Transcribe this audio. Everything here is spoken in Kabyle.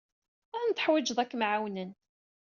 Ad ten-teḥwijeḍ ad kem-ɛawnen.